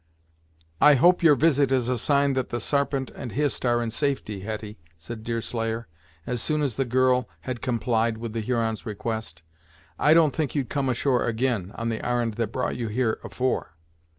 "I hope your visit is a sign that the Sarpent and Hist are in safety, Hetty," said Deerslayer, as soon as the girl had complied with the Huron's request. "I don't think you'd come ashore ag'in, on the arr'nd that brought you here afore."